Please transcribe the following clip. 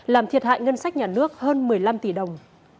làm thiệt hại ngân sách nhà nước hơn một mươi năm tỷ đồng